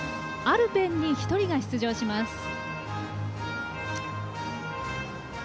アルペンに１人が出場します。